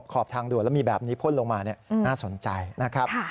ขอบทางด่วนแล้วมีแบบนี้พ่นลงมาน่าสนใจนะครับ